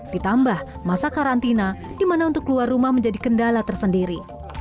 ditambah masa karantina di mana untuk keluar rumah menjadi kendala tersendiri